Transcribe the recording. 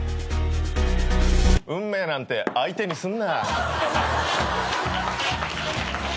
運命なんて相手にすんな。